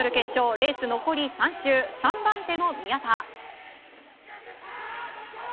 レース残り３周、３番手の宮田。